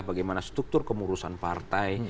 bagaimana struktur kemurusan partai